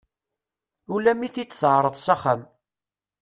Ula mi i t-id-teɛreḍ axxam.